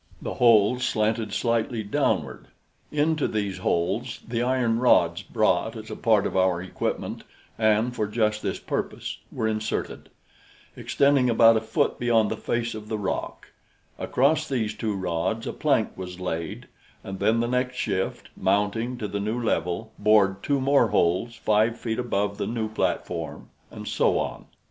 The holes slanted slightly downward. Into these holes the iron rods brought as a part of our equipment and for just this purpose were inserted, extending about a foot beyond the face of the rock, across these two rods a plank was laid, and then the next shift, mounting to the new level, bored two more holes five feet above the new platform, and so on.